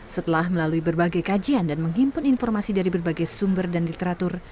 setelah melalui berbagai kajian dan menghimpun informasi dari berbagai sumber dan literatur